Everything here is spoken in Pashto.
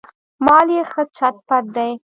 مال یې ښه چت پت دی.